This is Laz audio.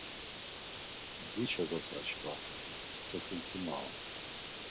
Diçodas aşkva, sixinti mayu.